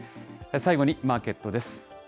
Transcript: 最後にマーケットです。